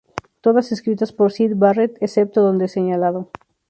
Todas escritas por Syd Barrett, excepto donde señalado.